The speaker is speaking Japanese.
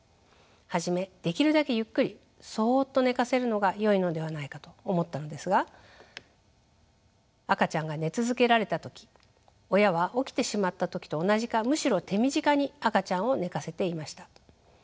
初めできるだけゆっくりそっと寝かせるのがよいのではないかと思ったのですが赤ちゃんが寝続けられた時親は起きてしまった時と同じかむしろ手短に赤ちゃんを寝かせていました。